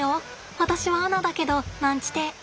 私はアナだけどなんちて。